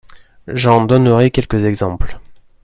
J’en donnerai quelques exemples.